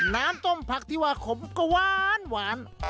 น้ำต้มผักที่ว่าขมก็หวาน